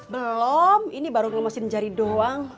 belom ini baru ngelumasin jari doang